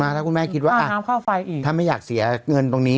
มาถ้าคุณแม่คิดว่าถ้าไม่อยากเสียเงินตรงนี้